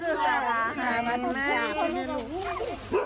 หามาให้